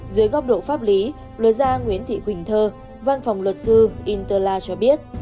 dưới góc độ pháp lý luật gia nguyễn thị quỳnh thơ văn phòng luật sư interla cho biết